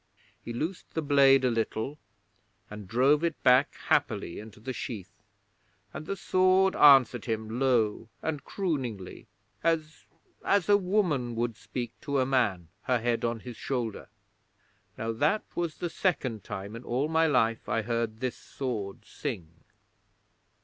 'He loosed the blade a little and drove it back happily into the sheath, and the sword answered him low and crooningly, as as a woman would speak to a man, her head on his shoulder. 'Now that was the second time in all my life I heard this Sword sing.'...